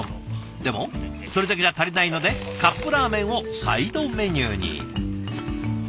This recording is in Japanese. でもそれだけじゃ足りないのでカップラーメンをサイドメニューに。